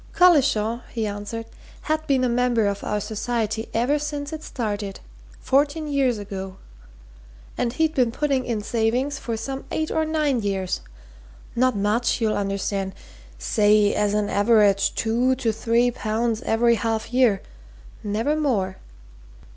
"Collishaw," he answered, "had been a member of our society ever since it started fourteen years ago. And he'd been putting in savings for some eight or nine years. Not much, you'll understand. Say, as an average, two to three pounds every half year never more.